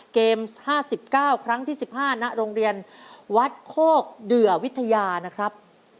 เกม๕๙ครั้งที่๑๕ณโรงเรียนวัดโคกเดือวิทยานะครับ